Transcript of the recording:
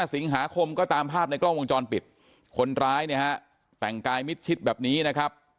สิงหาคมก็ตามภาพในกล้องวงจรปิดคนร้ายเนี่ยฮะแต่งกายมิดชิดแบบนี้นะครับ